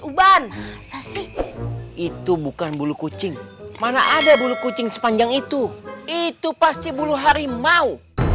uban sasi itu bukan bulu kucing mana ada bulu kucing sepanjang itu itu pasti bulu hari mau